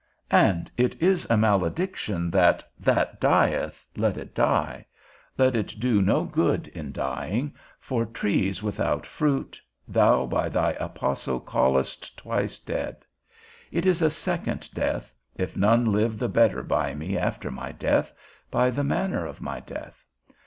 And it is a malediction, That that dieth, let it die, let it do no good in dying; for trees without fruit, thou, by thy apostle, callest twice dead. It is a second death, if none live the better by me after my death, by the manner of my death.